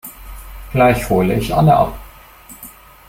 Gleich hole ich Anne ab.